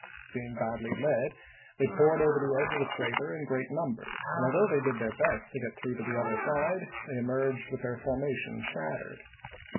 Being badly led, they poured over the edge of the crater Turner in great numbers, and although they did their best TRe^??y' to get through to the other side they emerged with o^comS their formation shattered.